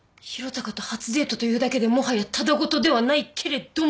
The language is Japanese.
嵩と初デートというだけでもはやただごとではないけれども！